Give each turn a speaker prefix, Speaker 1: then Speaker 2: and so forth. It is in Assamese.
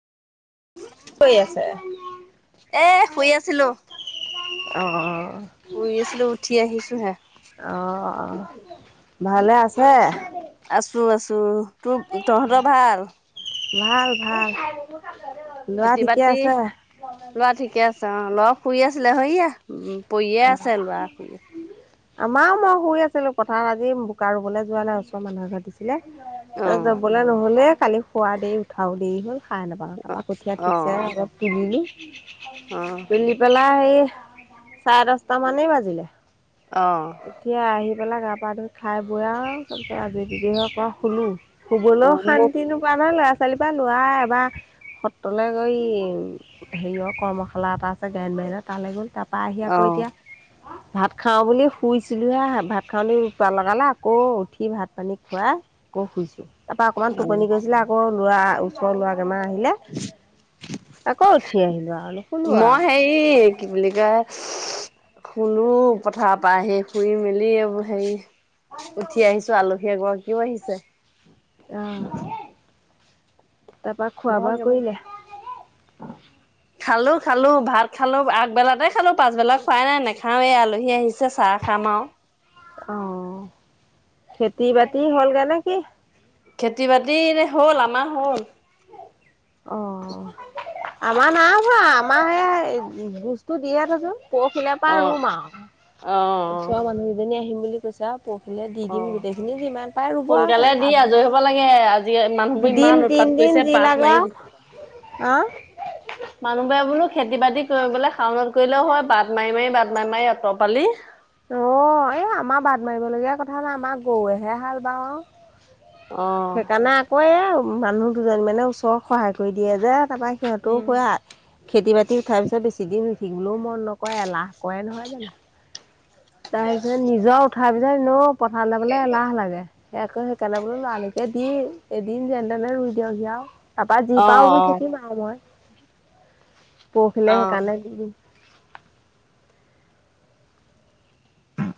Speaker 1: কি কৰি আছে
Speaker 2: এ শুই আছিলো
Speaker 1: অ।
Speaker 2: বহি আছলোঁ উঠি আহিছোঁ হে।
Speaker 1: অ', অ', ভালে আছে?
Speaker 2: আছোঁ -আছোঁ তোৰ কি তহঁতৰ ভাল?
Speaker 1: ভাল- ভাল। ল'ৰা
Speaker 2: খেতি-
Speaker 1: ঠিকে
Speaker 2: বাতি
Speaker 1: আছে?
Speaker 2: লোৱা ঠিকে আছে অ, ল'ৰা শুই আছিলে হইয়া উম, পইয়ে আছে ল'ৰা শুই আছে।
Speaker 1: আমাও মই শুই আছিলোঁ পথাৰত আজি বোকা ৰুবলে যোৱা নাই ওচৰৰ মানুহে মাতিছিলে।
Speaker 2: অ
Speaker 1: এ যাবলে নহ'লে কালি খোৱা দেই উঠাও দেৰি হ'ল সাৰে নাপালো তাপা কঠীয়া
Speaker 2: অ
Speaker 1: ঠিকছে ইবিনি
Speaker 2: অ',
Speaker 1: বেলি পেলাই এ চা দছটা মানেই বাজিলে।
Speaker 2: অ।
Speaker 1: এতিয়া আহি পেলাই গা পা ধুই খাই বৈ আও তাৰপিছত আজৈ বিলি হয় অকমান শুলো।
Speaker 2: অ
Speaker 1: শুবলৈও
Speaker 2: মোক
Speaker 1: শান্তি নোপোৱা নহয় ল'ৰা ছোৱালীৰ পা। ল'ৰা এবা- সত্ৰলৈ গৈ হেইয় কৰ্মশালা এটা আছে গাইন বাইনৰ তালৈ গ'ল তাত পাই আহি
Speaker 2: অ
Speaker 1: আকৌ এতিয়া ভাত খাওঁ বুলিও শুইছিলোঁহে ভাত খাবলৈ উৎপাত লগালে আকৌ উঠি ভাত পানী খুৱাই আকৌ শুইছোঁ। তাপা অকনমান
Speaker 2: অ
Speaker 1: টোপনি গৈছিলে আকৌ লৰা ওচৰৰ ল'ৰা কেইটামান আহিলে। আকৌ উঠি আহিলোঁ আ নুশুলো আও।
Speaker 2: ই কি বুলি কয়? শুলো পথাৰ পা আহি শুই মেলি এইবোৰ সেই উঠি আহিছোঁ আলহী এগৰাকীও আহিছে।
Speaker 1: আহ তাৰ পৰা‌ খোৱা বোৱা
Speaker 2: বহক
Speaker 1: কৰিলে?
Speaker 2: খালো খালো ভাত খালো আগবেলাতে খালো পাছবেলা খোৱাই নাই নাখাওঁৱে আলহী আহিছে চাহ খাম আও।
Speaker 1: অ খেতি বাতি হ'লগে নে কি?
Speaker 2: খেতি বাতি এনে হ'ল আমাৰ হ'ল।
Speaker 1: অ আমাৰ নাই হোৱা আমাৰ হে বোজটো দিয়ে থৈচোং। পৰহিলে পৰা
Speaker 2: অ
Speaker 1: ৰুম আও
Speaker 2: অ
Speaker 1: ওচৰৰ মানুহকেইজনী আহিম বুলি কৈছা আও। পৰহিলে দি
Speaker 2: অ
Speaker 1: দিম গোটেইখিনি যিমান পাৰে ৰুব আ
Speaker 2: সোনকালে দি আজৰি হ'ব লাগে আজি
Speaker 1: [unintelligible]
Speaker 2: মানুহবোৰ
Speaker 1: দুদিন
Speaker 2: ইমান উৎপাত
Speaker 1: তিনদিন
Speaker 2: কৰিছে
Speaker 1: যি
Speaker 2: পাত
Speaker 1: লাগা,
Speaker 2: মাৰি দিছে
Speaker 1: অহ।
Speaker 2: মানুহবোৰে বোলো খেতি বাতি কৰিবলে শাওনত কৰিলেও হয় বাট মাৰি মাৰি বাট মাৰি মাৰি অত পালি।
Speaker 1: অ এই আমাৰ বাদ মাৰিবলগীয়া কথা নাই আমাৰ গৰুেহে হাল বাও আও।
Speaker 2: অ
Speaker 1: সেইকাৰণে আকৌ এই মানুহ দুজনী মানে ওচৰক সহায় কৰি দিয়ে যে তা পা সিহঁতৰো
Speaker 2: উম
Speaker 1: পোৰা খেতি বাতি উঠাৰ পিছত বেছি দিন উঠিবলৈও মন নকৰে এলাহ কৰে নহয় জানো। তাইলছত নিজৰ উঠাৰ পিছত এনেও পথাৰলে যাবলে এলাহ লাগে। সেয়া কয় সেইকাৰণে বোলো লৰালৰিকে দি এদিন যেন তেনে ৰুই দিয়গে আও। তা পা যি
Speaker 2: অ
Speaker 1: পাওঁ ৰুই থাকিম আও মই
Speaker 2: অ
Speaker 1: পৰখিলে
Speaker 2: অ
Speaker 1: সেইকাৰণে দি দিম।